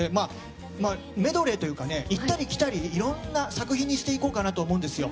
メドレーというか行ったり来たりいろんな作品にしていこうかなと思うんですよ。